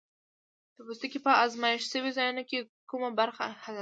د پوستکي په آزمېښت شوي ځایونو کې کومه برخه حساسیت لري؟